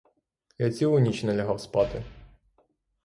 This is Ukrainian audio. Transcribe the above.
Я цілу ніч не лягав спати.